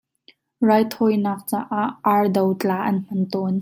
Raithawinak caah ar do tla an hman tawn.